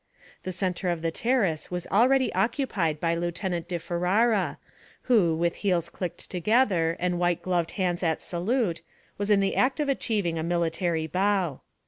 The centre of the terrace was already occupied by Lieutenant di Ferara, who, with heels clicked together and white gloved hands at salute, was in the act of achieving a military bow.